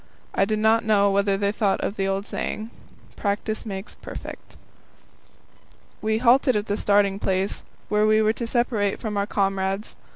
I do not know whether they thought of the old saying: Practice makes perfect. We halted at the starting place, where we were to separate from our comrades.